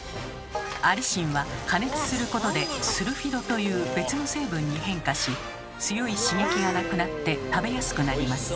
アリシンは加熱することでスルフィドという別の成分に変化し強い刺激がなくなって食べやすくなります。